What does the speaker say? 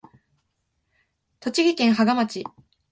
栃木県芳賀町